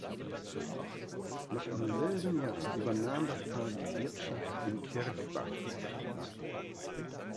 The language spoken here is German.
Noch im selben Jahr übernahm das Paar die Wirtschaft in Kirchbach.